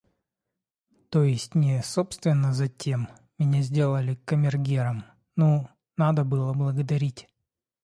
То есть не собственно затем... Меня сделали камергером, ну, надо было благодарить.